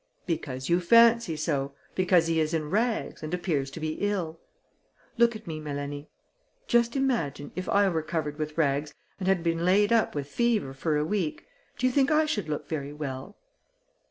"Because you fancy so, because he is in rags, and appears to be ill. Look at me, Mélanie; just imagine, if I were covered with rags, and had been laid up with fever for a week, do you think I should look very well?"